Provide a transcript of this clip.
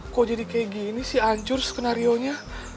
kok jadi kayak gini sih hancur skenario nya